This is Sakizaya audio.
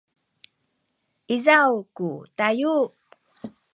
izaw ku tayu